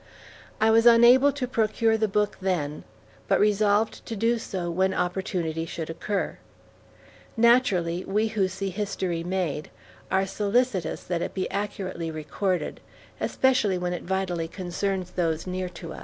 I was unable to procure the book then, but resolved to do so when opportunity should occur. Naturally, we who see history made, are solicitous that it be accurately recorded, especially when it vitally concerns those near to us.